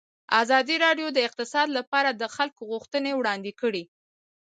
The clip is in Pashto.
ازادي راډیو د اقتصاد لپاره د خلکو غوښتنې وړاندې کړي.